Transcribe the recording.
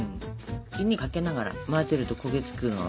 火にかけながら混ぜると焦げ付くのは分かるでしょ？